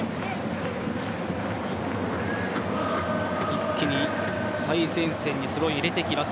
一気に最前線にスローイン、入れてきます。